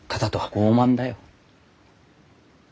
傲慢だよ。